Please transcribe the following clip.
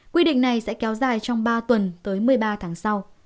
quy định này sẽ kéo dài trong ba tuần tới một mươi ba tháng sau